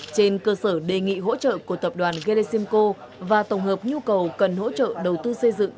trên cơ sở đề nghị hỗ trợ của tập đoàn gelesimco và tổng hợp nhu cầu cần hỗ trợ đầu tư xây dựng